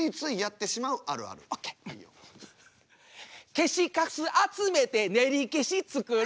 消しかす集めてねりけし作る。